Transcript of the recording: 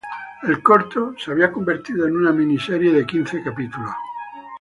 El corto se había convertido en una miniserie de quince capítulos.